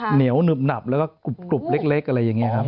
เหนียวหนึบหนับแล้วก็กรุบเล็กอะไรอย่างนี้ครับ